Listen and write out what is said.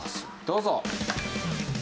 どうぞ！